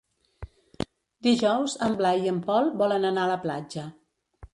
Dijous en Blai i en Pol volen anar a la platja.